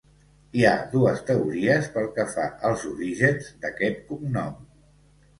Hi ha dues teories pel que fa als orígens d'aquest cognom.